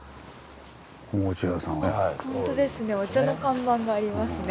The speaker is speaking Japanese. ほんとですねお茶の看板がありますね。